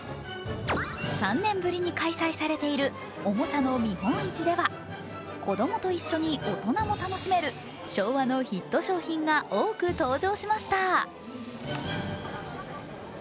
３年ぶりに開催されているおもちゃの見本市では子供と一緒に大人も楽しめる昭和のヒット商品が多く登場しました。